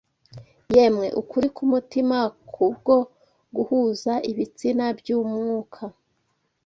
Yemwe ukuri kumutima, kubwo guhuza ibitsina byumwuka